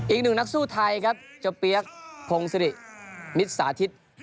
อีกหนึ่งนักสู้ไทยครับเจ้าเปี๊ยกพงศิริมิตสาธิต